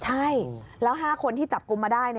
ใช่แล้ว๕คนที่จับกลุ่มมาได้